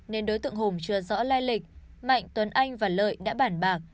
nên đối tượng hùng chưa rõ lai lịch mạnh tuấn anh và lợi đã bản bạc